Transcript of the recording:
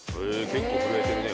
結構震えてるね